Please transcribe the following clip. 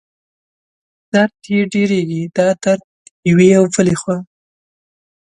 درد یې ډېرېږي، دا درد یوې او بلې خوا